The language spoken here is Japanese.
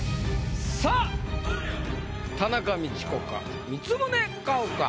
さぁ田中道子か？